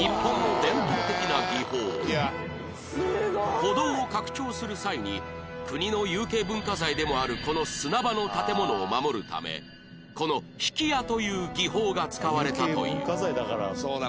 歩道を拡張する際に国の有形文化財でもあるこの砂場の建物を守るためこの曳家という技法が使われたという